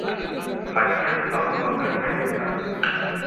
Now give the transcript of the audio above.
ஹஜ்ரத் Abu Bakr உடன் இருந்தார்கள்.